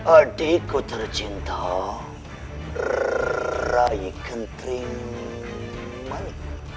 adikku tercinta rai kentrimani